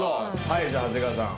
はいじゃあ長谷川さん。